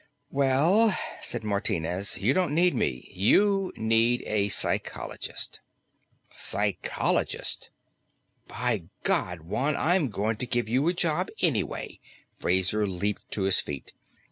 "Well," said Martinez, "you don't need me. You need a psychologist." Psychologist! "By God, Juan, I'm going to give you a job anyway!" Fraser leaped to his feet.